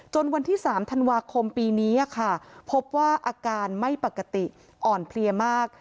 วันที่๓ธันวาคมปีนี้ค่ะพบว่าอาการไม่ปกติอ่อนเพลียมาก